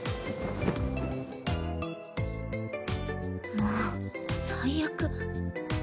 もう最悪。